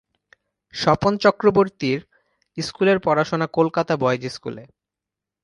স্বপন চক্রবর্তীর স্কুলের পড়াশোনা কলকাতা বয়েজ স্কুলে।